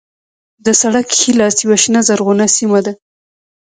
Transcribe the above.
د سړک ښی لاس یوه شنه زرغونه سیمه ده.